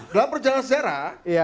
dalam perjalanan sejarah